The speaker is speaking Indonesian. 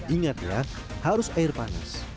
ingat ya harus air panas